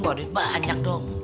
bawa duit banyak dong